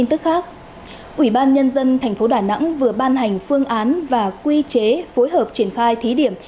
ubnd tp đà nẵng vừa ban hành phương án và quy chế phối hợp triển khai thí điểm